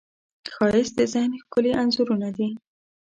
ښایست د ذهن ښکلي انځورونه دي